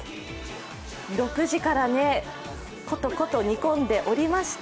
６時からコトコト煮込んでおりまして。